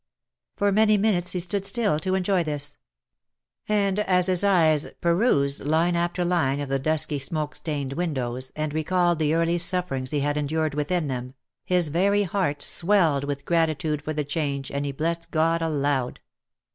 For many minutes he stood still to enjoy this ; and as his ^es pe rused line after line of the dusky smoke stained windows, and recalled the early sufferings he had endured within them, his very heart swelled with gratitude for the change, and he blessed God aloud.